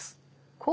こう？